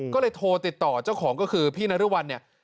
ก็เลยโทรติดต่อเจ้าของก็คือพี่นรุวัลเนี่ย